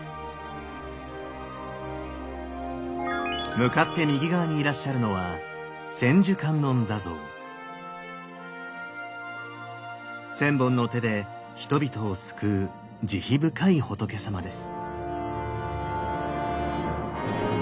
向かって右側にいらっしゃるのは千本の手で人々を救う慈悲深い仏さまです。